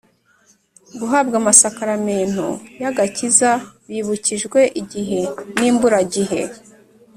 guhabwamasakaramentu y’agakiza. bibukijwe igihe n’imburagihe